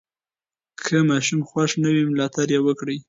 که ماشوم خوښ نه وي، ملاتړ یې وکړئ.